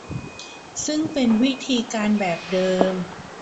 ซึ่งเป็นวิธีการแบบเดิม